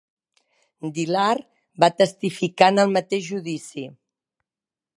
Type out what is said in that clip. Dillard va testificar en el mateix judici.